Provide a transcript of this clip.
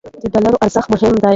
د ډالرو ارزښت مهم دی.